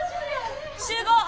集合！